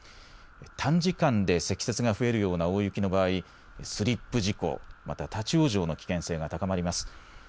短時間で積雪が増えるような大雪の場合、スリップ事故、また立往生の危険性が高まります。